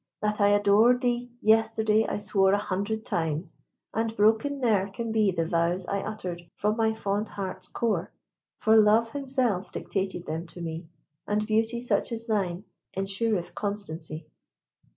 That I adored thee yesterday I swore An hundred times; and broken ne'er can be The vows I uttered from my fond heart's core; For Love himself dictated them to me, And beauty such as thine ensureth constancy.